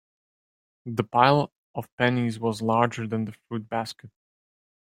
The pile of pennies was larger than the fruit basket.